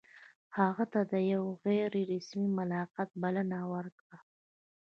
هغه ته د یوه غیر رسمي ملاقات بلنه ورکړه.